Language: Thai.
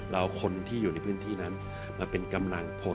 เอาคนที่อยู่ในพื้นที่นั้นมาเป็นกำลังพล